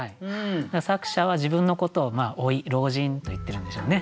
作者は自分のことを「老い」「老人」といってるんでしょうね。